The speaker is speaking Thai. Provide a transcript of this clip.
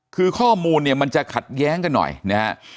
คือข้อมูลเนี่ยมันจะขัดแย้งกันหน่อยนะฮะ